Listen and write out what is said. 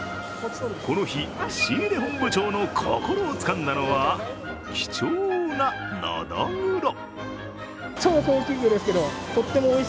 この日、仕入れ本部長の心をつかんだのは貴重なのどぐろ。